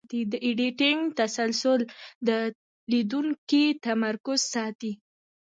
د ایډیټینګ تسلسل د لیدونکي تمرکز ساتي.